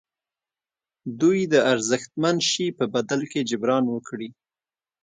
دوی د ارزښتمن شي په بدل کې جبران وکړي.